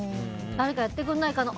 誰かやってくれないかな。